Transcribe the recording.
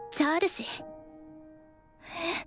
えっ？